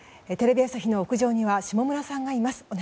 テレビ朝日の屋上には下村さんがいます。